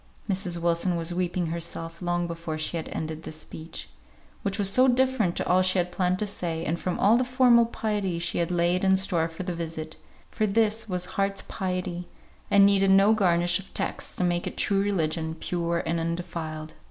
Mrs. Wilson was weeping herself long before she had ended this speech, which was so different to all she had planned to say, and from all the formal piety she had laid in store for the visit; for this was heart's piety, and needed no garnish of texts to make it true religion, pure and undefiled.